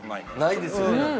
ないですよね。